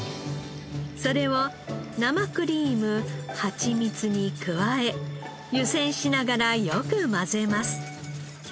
それを生クリームはちみつに加え湯煎しながらよく混ぜます。